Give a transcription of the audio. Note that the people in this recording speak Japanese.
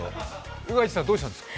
宇賀神さん、どうしたんですか。